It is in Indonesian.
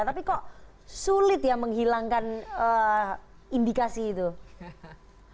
tapi kok sulit ya menghilangkan indikasi yang ada di mk